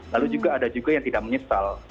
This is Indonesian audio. lalu juga ada juga yang tidak menyesal